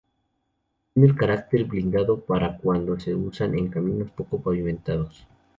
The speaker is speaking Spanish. Tiene el cárter blindado para cuando se usa en caminos poco pavimentados.